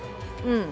「うん」